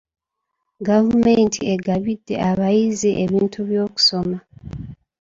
Gavumenti egabidde abayizi ebintu by'okusoma.